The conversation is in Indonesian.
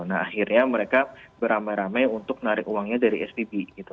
nah akhirnya mereka beramai ramai untuk narik uangnya dari svb gitu